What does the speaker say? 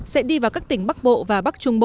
sẽ đi vào các tỉnh bắc bộ và bắc trung bộ